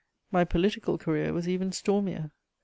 My political career was even stormier.